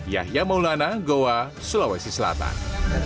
yahya maulana goa sulawesi selatan